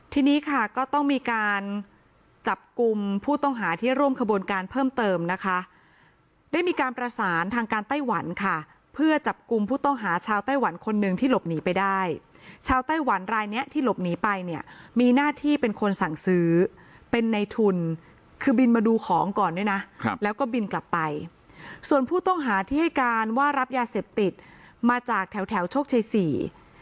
ทีนี้ค่ะก็ต้องมีการจับกลุ่มผู้ต้องหาที่ร่วมขบวนการเพิ่มเติมนะคะได้มีการประสานทางการไต้หวันค่ะเพื่อจับกลุ่มผู้ต้องหาชาวไต้หวันคนหนึ่งที่หลบหนีไปได้ชาวไต้หวันรายเนี้ยที่หลบหนีไปเนี่ยมีหน้าที่เป็นคนสั่งซื้อเป็นในทุนคือบินมาดูของก่อนด้วยนะครับแล้วก็บินกลับไปส่วนผู้ต้องหาที่ให้การว่ารับยาเสพติดมาจากแถวแถวโชคชัยสี่